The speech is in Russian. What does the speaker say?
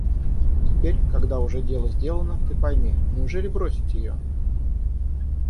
Теперь, когда уже дело сделано, — ты пойми,— неужели бросить ее?